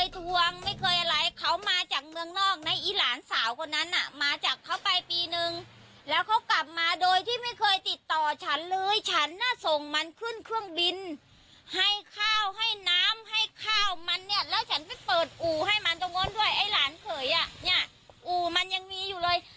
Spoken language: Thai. เผยนี่อู๋มันยังมีอยู่เลย